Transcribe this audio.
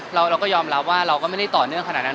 เราก็ยอมรับว่าเราก็ไม่ได้ต่อเนื่องขนาดนั้น